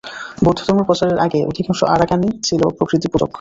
বৌদ্ধধর্ম প্রচারের আগে অধিকাংশ আরাকানি ছিল প্রকৃতি পূজক।